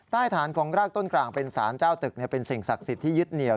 ใต้ฐานของรากต้นกลางเป็นสารเจ้าตึกเป็นสิ่งศักดิ์สิทธิ์ที่ยึดเหนียว